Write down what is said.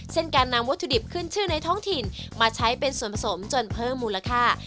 เช่นการนำวัตถุดิบขึ้นชื่อในท้องถิ่นมาใช้เป็นส่วนผสมจนเพิ่มมูลค่า